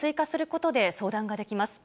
ことで相談ができます。